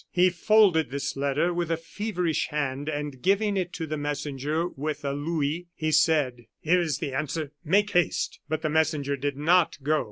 He folded this letter with a feverish hand, and giving it to the messenger with a louis, he said: "Here is the answer, make haste!" But the messenger did not go.